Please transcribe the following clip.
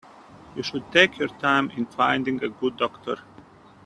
You should take your time in finding a good doctor.